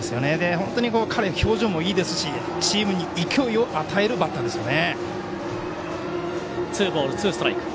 本当に彼は表情もいいですしチームに勢いを与えるバッターですね。